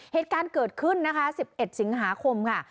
เหตุการณ์เกิดขึ้นนะคะ๑๑สิงหาคมค่ะ